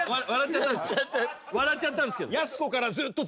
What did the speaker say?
笑っちゃったんすけど。